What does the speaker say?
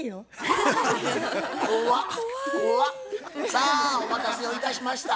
さあお待たせをいたしました。